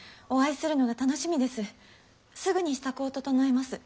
すぐに支度を調えます。